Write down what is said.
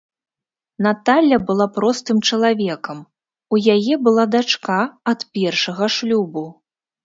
Наталля была простым чалавекам, у яе была дачка ад першага шлюбу.